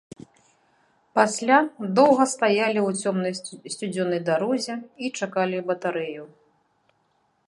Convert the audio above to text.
Пасля доўга стаялі ў цёмнай сцюдзёнай дарозе і чакалі батарэю.